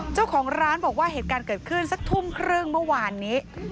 เจ้าของร้านบอกว่าเหตุการณ์เกิดขึ้นสักทุ่มครึ่งเมื่อวานนี้